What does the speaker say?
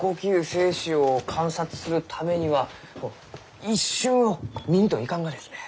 精子を観察するためにはこう一瞬を見んといかんがですね。